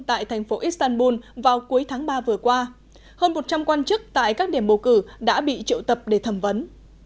tại thành phố istanbul vào cuối tháng ba vừa qua hơn một trăm linh quan chức tại các điểm bầu cử đã bị triệu tập để thẩm vấn